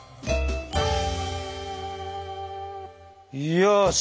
よし。